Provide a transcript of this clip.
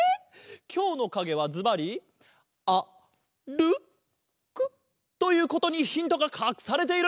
きょうのかげはずばり「あるく」ということにヒントがかくされている！